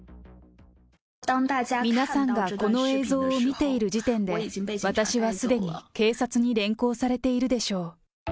皆さんがこの映像を見ている時点で、私はすでに警察に連行されているでしょう。